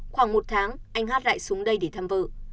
khoảng một tháng anh hát lại xuống đây để thăm vợ